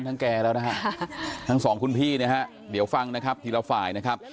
แกแล้วนะฮะทั้งสองคุณพี่นะฮะเดี๋ยวฟังนะครับทีละฝ่ายนะครับ